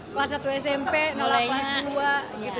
kelas satu smp nolak kelas dua